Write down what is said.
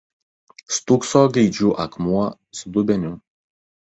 Stūkso Gaidžių akmuo su dubeniu.